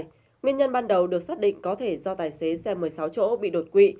nguyên nhân ban đầu được xác định có thể do tài xế xe một mươi sáu chỗ bị đột quỵ